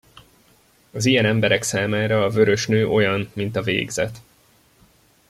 Az ilyen emberek számára a vörös nő olyan, mint a végzet.